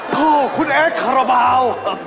โธ่คุณแอดขระเบา